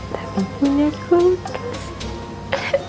tapi punya kulkas